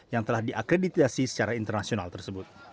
yang telah diakreditasi secara internasional tersebut